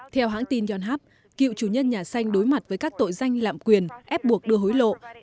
theo hãng tin yonhap cựu chủ nhân nhà xanh đối mặt với các tội danh lạm quyền ép buộc đưa hối lộ